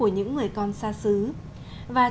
người tuyệt vời